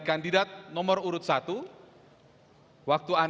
masih masih masih